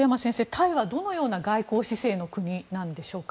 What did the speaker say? タイはどのような姿勢の国なんでしょうか？